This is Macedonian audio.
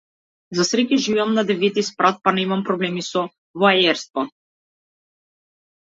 За среќа, живеам на деветти спрат, па немам проблеми со воајерство.